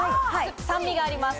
酸味があります。